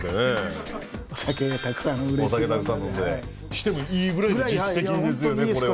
してもいいぐらいの実績ですよね、これは。